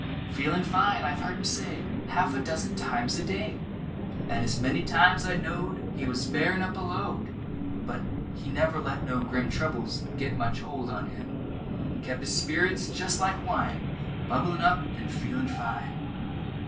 "Feelin' fine," I've heard him say Half a dozen times a day, An' as many times I knowed He was bearin' up a load. But he never let no grim Troubles git much holt on him, Kep' his spirits jest like wine, Bubblin' up an' "feelin' fine!"